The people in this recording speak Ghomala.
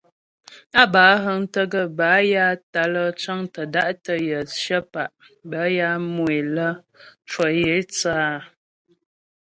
Á bə́ á həŋtə gaə́ bâ ya tǎ'a lə́ cəŋtə da'tə yə cyə̌pa' bə́ ya mu é lə cwə yə é thə́ áa.